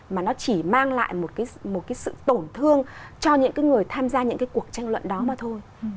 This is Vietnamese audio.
mà nó chỉ mang lại một sự tổn thương cho những người tham gia những cuộc tranh luận đó mà thôi